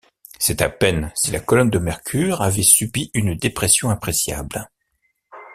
C’est à peine si la colonne de mercure avait subi une dépression appréciable.